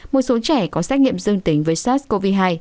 một số trẻ có xét nghiệm dương tính với sars cov hai